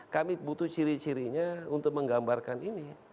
kami butuh ciri cirinya untuk menggambarkan ini